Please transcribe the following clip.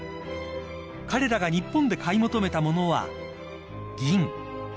［彼らが日本で買い求めたものは銀］